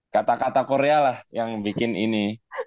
kata kata korea lah yang bikin ini